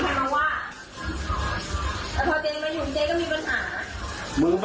ก็ไม่เห็นที่ใครมาว่าแต่พอเจ๊ยังไม่อยู่เจ๊ก็มีปัญหา